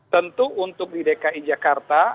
tentu untuk di dki jakarta